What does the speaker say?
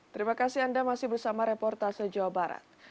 terima kasih anda masih bersama reportase jawa barat